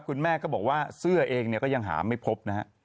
คุณแม่ก็บอกว่าเสื้อเองก็ยังหาไม่พบนะฮะ